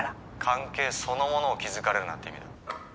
「関係そのものを気づかれるなって意味だ」